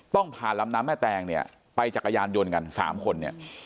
ต้องผ่านลำน้ำแม่แตงเนี่ยไปจักรยานยนต์กัน๓คนเนี่ย